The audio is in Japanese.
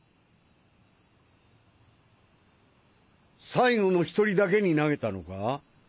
最後の１人だけに投げたのか？